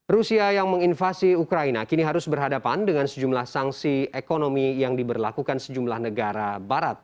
rusia yang menginvasi ukraina kini harus berhadapan dengan sejumlah sanksi ekonomi yang diberlakukan sejumlah negara barat